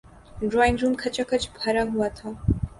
Drawing room کھچا کھچ بھرا ہوا تھا۔